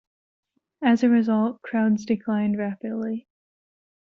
As a result, crowds declined rapidly.